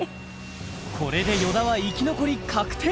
これで与田は生き残り確定！